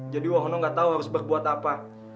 jadi wahono tidak tahu harus berbuat apa